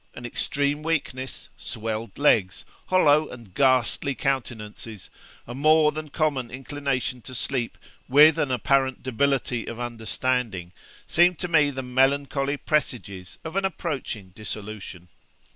An extreme weakness, swelled legs, hollow and ghastly countenances, a more than common inclination to sleep, with an apparent debility of understanding, seemed to me the melancholy presages of an approaching dissolution.